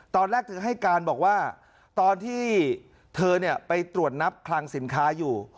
ตอนแรกเธอให้การบอกว่าตอนที่เธอไปตรวจนับคลังสินค้าอยู่